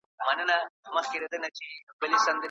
ده د منفي تبليغ مخه نيوله.